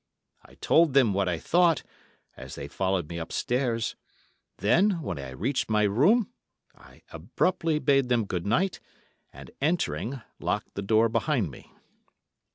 I told them what I thought, as they followed me upstairs; then, when I reached my room, I abruptly bade them good night, and, entering, locked the door behind me.